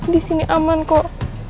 disini aman kok